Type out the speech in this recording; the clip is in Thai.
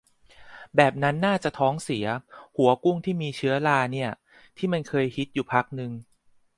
แบบนั้นน่าจะท้องเสีย หัวกุ้งที่มีเชื้อราเนี่ย ที่มันเคยฮิตอยู่พักนึง